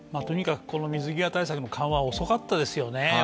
とにかく水際対策の緩和、遅かったですよね。